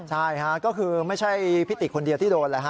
ใช่ค่ะก็คือไม่ใช่พี่ตี๋คนเดียวที่โดนเลย